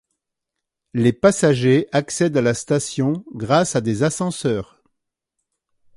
Les passagers accèdent à la station grâce à des ascenseurs.